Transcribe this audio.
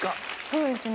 そうですね。